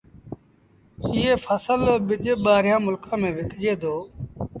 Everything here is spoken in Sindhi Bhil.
ايئي ڦسل رو ٻج ٻآهريآݩ ملڪآݩ ميݩ وڪجي دو۔